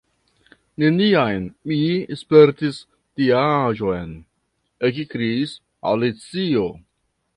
"Neniam mi spertis tiaĵon," ekkriis Alicio.